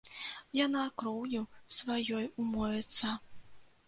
Яна кроўю сваёй умоецца.